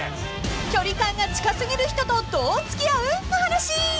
［距離感が近すぎる人とどう付き合う？の話］